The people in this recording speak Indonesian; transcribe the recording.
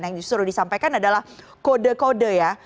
yang justru disampaikan adalah kode kode ya